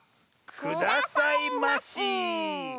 くださいまし。